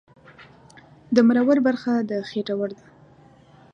د مرور برخه د خېټور ده